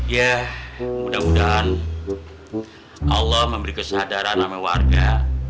ya mudah mudahan allah memberi kesadaran sama warga